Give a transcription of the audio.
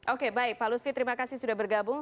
oke baik pak lutfi terima kasih sudah bergabung